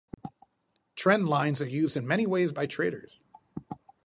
Trend lines are used in many ways by traders.